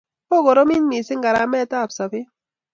Kokokoromit mising garamet ab sobet